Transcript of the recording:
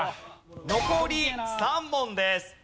残り３問です。